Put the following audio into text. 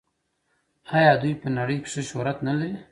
آیا دوی په نړۍ کې ښه شهرت نلري؟